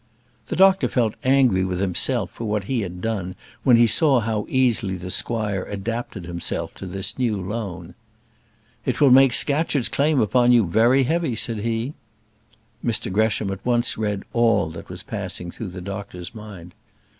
The doctor felt angry with himself for what he had done when he saw how easily the squire adapted himself to this new loan. "It will make Scatcherd's claim upon you very heavy," said he. Mr Gresham at once read all that was passing through the doctor's mind.